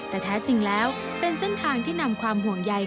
แต่แท้จริงแล้วเป็นเส้นทางที่นำความห่วงใย